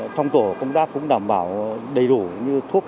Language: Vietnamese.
trong tổ công tác cũng đảm bảo đầy đủ như thuốc